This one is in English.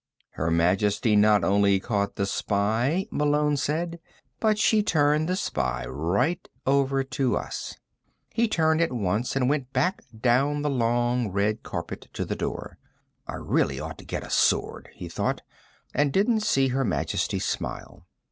"Her Majesty not only caught the spy," Malone said, "but she turned the spy right over to us." He turned at once and went back down the long red carpet to the door. I really ought to get a sword, he thought, and didn't see Her Majesty smile.